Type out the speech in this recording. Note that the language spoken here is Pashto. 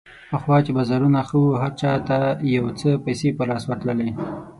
پخوا چې بازارونه ښه وو، هر چا ته یو څه پیسې په لاس ورتللې.